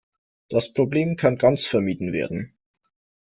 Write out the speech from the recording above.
Das Problem kann ganz vermieden werden.